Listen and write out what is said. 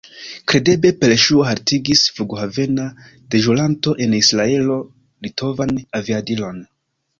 Kredeble per ŝuo haltigis flughavena deĵoranto en Israelo litovan aviadilon.